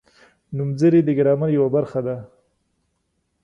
نومځري د ګرامر یوه برخه ده.